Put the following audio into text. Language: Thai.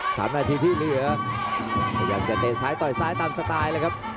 สามนาทีที่เหลือพยายามจะเตะซ้ายต่อยซ้ายตามสไตล์เลยครับ